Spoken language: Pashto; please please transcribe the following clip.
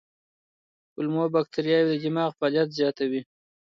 کولمو بکتریاوې د دماغ فعالیت زیاتوي.